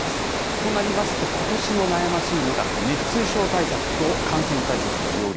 となりますと、ことしも悩ましいのが、熱中症対策と感染対策の両立。